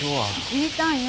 聞いたんよ。